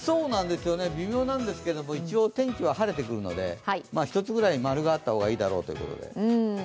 微妙なんですけど一応天気は晴れてきますので、一つぐらい○があった方がいいだろうということで。